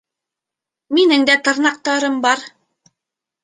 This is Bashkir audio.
Минең дә тырнаҡтарым бар.